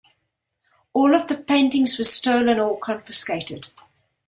All of the paintings were stolen or confiscated.